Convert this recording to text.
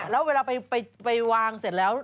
เล่าไปวางเสร็จแล้ว